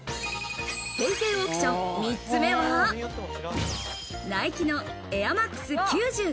平成オークション、３つ目は、ナイキのエアマックス９５。